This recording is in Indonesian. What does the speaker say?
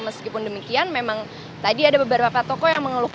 meskipun demikian memang tadi ada beberapa tokoh yang mengeluhkan